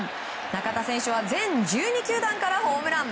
中田選手は全１２球団からホームラン。